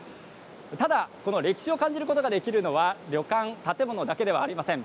ただ歴史を感じることができるのは旅館建物だけではありません。